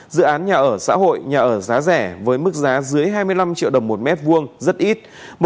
dự án nhà ở xã hội nhà ở giá rẻ với mức giá dưới hai mươi năm triệu đồng một mét vuông rất ít